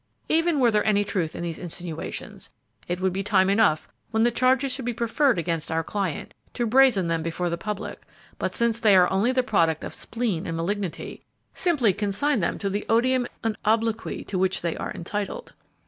Even were there any truth in these insinuations, it would be time enough, when the charges should be preferred against our client, to brazen them before the public, but since they are only the product of spleen and malignity, simply consign them to the odium and obloquy to which they are entitled."